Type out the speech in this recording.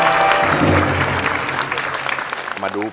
เพลงที่๒มาเลยครับ